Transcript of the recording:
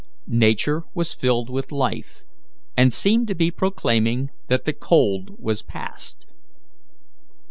Nature was filled with life, and seemed to be proclaiming that the cold was past.